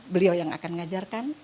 beliau yang akan mengajarkan